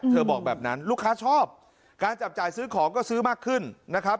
บอกแบบนั้นลูกค้าชอบการจับจ่ายซื้อของก็ซื้อมากขึ้นนะครับ